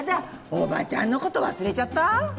おばちゃんのこと忘れちゃった？